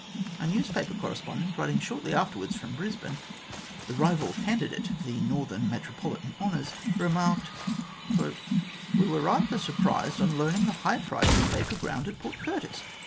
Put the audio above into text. A newspaper correspondent, writing shortly afterwards from Brisbane, the rival candidate for northern metropolitan honours,, remarked :" We were rather surprised on learning the high prices paid for ground at Port Curtis.